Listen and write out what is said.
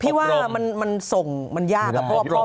พี่ว่ามันส่งมันยาก